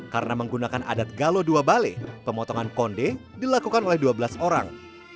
karena menggunakan adat galo dua bale pemotongan konde dilakukan oleh dua belas orang